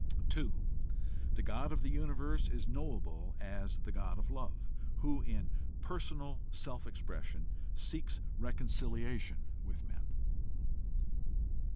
2. The God of the universe is knowable as the God of love, who in personal self expression seeks reconciliation with men.